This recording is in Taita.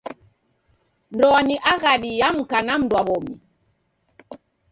Ndoa ni aghadi ya mka na mndu wa w'omi.